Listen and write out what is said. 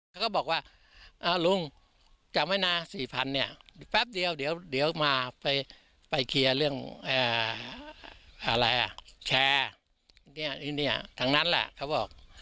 เขาก็บอกว่าลุงจำไว้นะ๔๐๐เนี่ยแป๊บเดียวเดี๋ยวมาไปเคลียร์เรื่องอะไรอ่ะแชร์ทั้งนั้นแหละเขาบอก